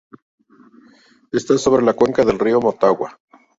Está sobre la cuenca del Río Motagua.